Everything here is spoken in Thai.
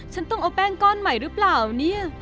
ฉันต้องเอาแป้งก้อนใหม่หรือเปล่าเนี่ย